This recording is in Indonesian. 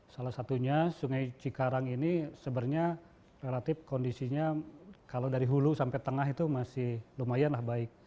salah satunya sungai cikarang ini sebenarnya relatif kondisinya kalau dari hulu sampai tengah itu masih lumayan lah baik